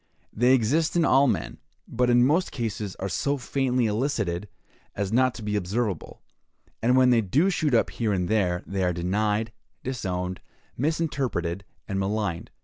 They exist in all men, but in most cases are so faintly elicited as not to be observable; and when they do shoot up here and there, they are denied, disowned, misinterpreted, and maligned.